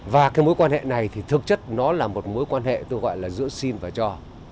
và mối quan hệ này thực chất là một mối quan hệ tôi gọi là giữa xin và cho